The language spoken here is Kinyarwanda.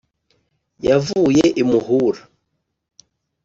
yavuye i muhura